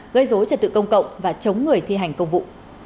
gây dối trật tự công cộng và chống người thi hành công vụ